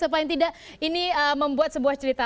paling tidak ini membuat sebuah cerita